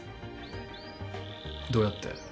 どうやって？